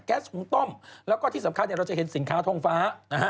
หุงต้มแล้วก็ที่สำคัญเนี่ยเราจะเห็นสินค้าทงฟ้านะฮะ